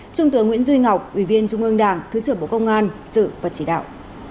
trung tướng nguyễn duy ngọc ủy viên trung ương đảng thứ trưởng bộ công an dự và chỉ đạo